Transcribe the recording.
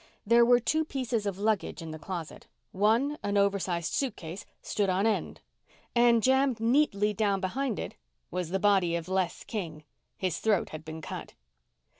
There were two pieces of luggage in the closet. One, an oversized suitcase, stood on end. And jammed neatly down behind it was the body of Les King. His throat had been cut.